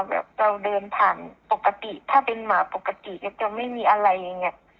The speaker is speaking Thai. แบบเราเดินผ่านปกติถ้าเป็นหมาปกติก็จะไม่มีอะไรอย่างนี้